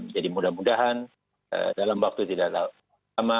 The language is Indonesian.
jadi mudah mudahan dalam waktu tidak lama